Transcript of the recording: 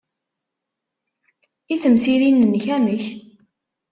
I temsirin-nnek, amek?